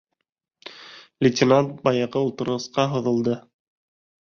Лейтенант баяғы ултырғысҡа һуҙылды.